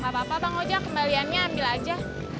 gak apa apa bang ojek kembaliannya ambil aja